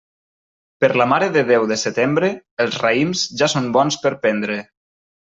Per la Mare de Déu de setembre, els raïms ja són bons per prendre.